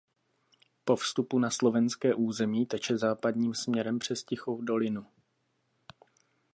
Po vstupu na slovenské území teče západním směrem přes Tichou dolinu.